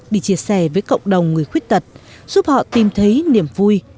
bị chia sẻ với cộng đồng người khuyết tật giúp họ tìm thấy niềm vui